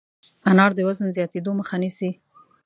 انار د وزن زیاتېدو مخه نیسي.